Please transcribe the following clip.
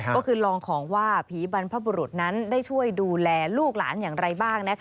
ก็คือลองของว่าผีบรรพบุรุษนั้นได้ช่วยดูแลลูกหลานอย่างไรบ้าง